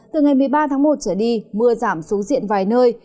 từ ngày một mươi ba tháng một trở đi mưa giảm xuống diện vài nơi